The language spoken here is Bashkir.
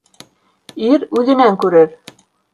Ир үҙенән күрер